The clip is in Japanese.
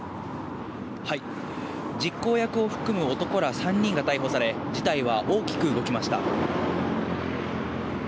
実行役を含む男ら３人が逮捕され、事態は大きく動きました。